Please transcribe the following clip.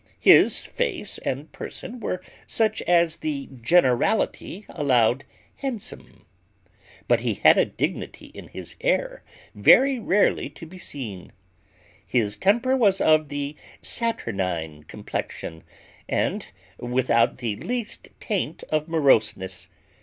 His face and person were such as the generality allowed handsome; but he had a dignity in his air very rarely to be seen. His temper was of the saturnine complexion, and without the least taint of moroseness.